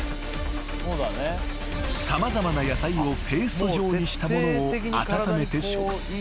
［様々な野菜をペースト状にしたものを温めて食す。